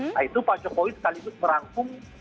nah itu pak jokowi sekaligus merangkum